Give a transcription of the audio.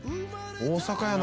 大阪やな。